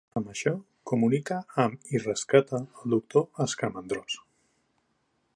Amb això, comunica amb i rescata el Doctor Scamandros.